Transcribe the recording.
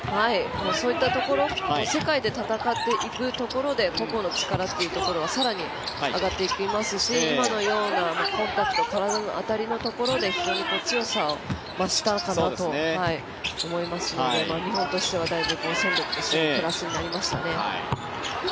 そういったところ世界で戦っていくところで個々の力っていうところは更に上がっていきますし今のようなコンタクト体の当たりのところで非常に強さを増したかなと思いますので日本としては、だいぶ戦力としてはプラスになりましたね。